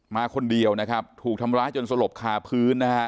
มาคนเดียวถูกทำร้ายจนสลบค้าพื้น